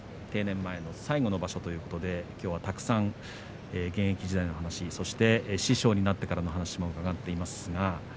定年前の最後の場所ということできょうは、たくさん現役時代の話そして師匠になってからの話も伺っています。